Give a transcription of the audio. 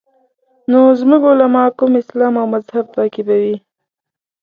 نو زموږ علما کوم اسلام او مذهب تعقیبوي.